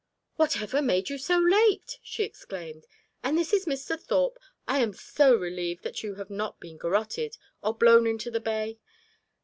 "Whatever made you so late?" she exclaimed. "And this is Mr. Thorpe? I am so relieved that you have not been garotted, or blown into the bay.